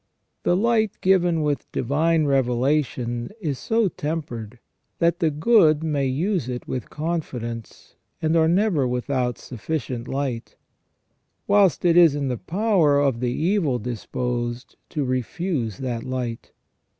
The light given with divine revelation is so tempered, that the good may use it with confidence, and are never without sufficient light, whilst it is in the power of the evil disposed to refuse that light.